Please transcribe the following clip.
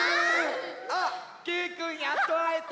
あっけいくんやっとあえた！